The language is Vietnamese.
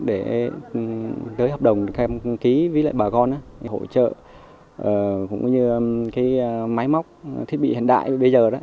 để gửi hợp đồng ký với lại bà con hỗ trợ cũng như cái máy móc thiết bị hiện đại bây giờ